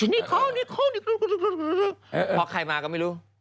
นี่ข้อนี่ข้อนี่ก็เป้ารึเพราะใครมาก็ไม่รู้